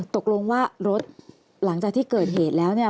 ตกลงว่ารถหลังจากที่เกิดเหตุแล้วเนี่ย